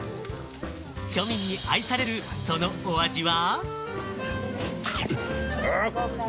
庶民に愛される、そのお味は？